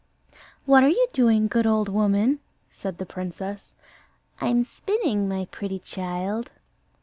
"What are you doing, good old woman?" said the princess. "I'm spinning, my pretty child."